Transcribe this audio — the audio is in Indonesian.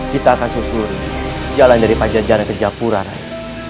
kita akan susuri jalan dari panjang jalan ke japura rai